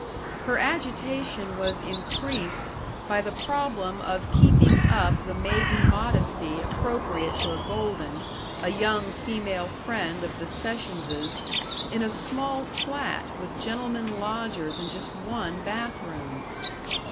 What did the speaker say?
Her agitation was increased by the problem of keeping up the maiden modesty appropriate to a Golden, a young female friend of the Sessionses', in a small flat with gentlemen lodgers and just one bathroom.